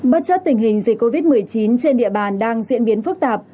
bất chấp tình hình dịch covid một mươi chín trên địa bàn đang diễn biến phức tạp